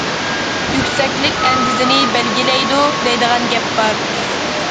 يۈكسەكلىك ئەندىزىنى بەلگىلەيدۇ، دەيدىغان گەپ بار.